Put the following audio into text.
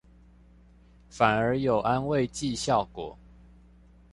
反而有安慰劑效果